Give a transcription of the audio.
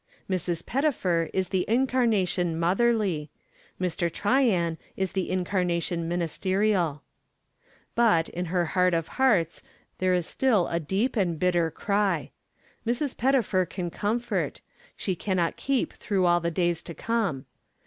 Mrs. Pettifer is the Incarnation Motherly. Mr. Tryan is the Incarnation Ministerial. But, in her heart of hearts, there is still a deep and bitter cry. Mrs. Pettifer can comfort; she cannot keep through all the days to come!